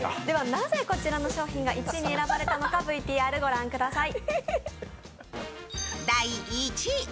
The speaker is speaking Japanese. なぜこちらの商品が１位に選ばれたのかＶＴＲをご覧ください。